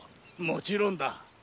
もちろんだ。